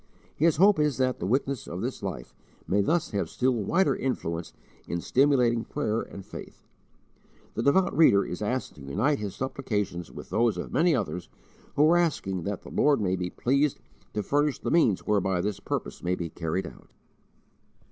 His hope is that the witness of this life may thus have still wider influence in stimulating prayer and faith. The devout reader is asked to unite his supplications with those of many others who are asking that the Lord may be pleased to furnish the means whereby this purpose may be carried out.